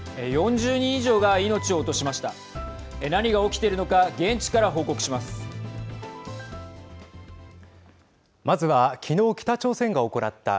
４０人以上が命を落としました。